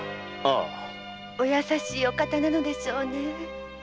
お優しいお方なのでしょうね。